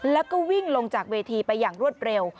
แล้วก็วิ่งลงจากเวทีไปอย่างรวดเร็ว